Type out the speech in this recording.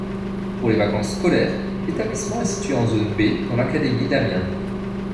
Pour les vacances scolaires, l'établissement est situé en zone B, dans l'académie d'Amiens.